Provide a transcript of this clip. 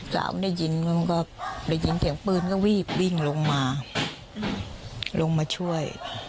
สาวได้ยินเดี๋ยวยินเสียงปืนก็วีบวิ่งลงมาลงมาช่วย